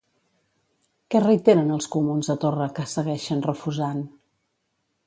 Què reiteren els comuns a Torra que segueixen refusant?